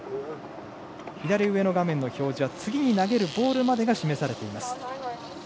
左上の画面の表示は次に投げるボールまでの時間が示されています。